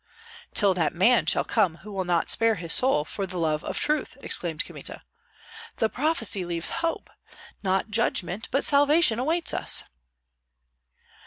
"Till that man shall come who will not spare his soul for the love of truth!" exclaimed Kmita. "The prophecy leaves hope! Not judgment, but salvation awaits us."